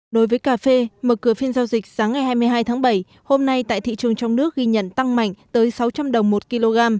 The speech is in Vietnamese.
đối với cà phê mở cửa phiên giao dịch sáng ngày hai mươi hai tháng bảy hôm nay tại thị trường trong nước ghi nhận tăng mạnh tới sáu trăm linh đồng một kg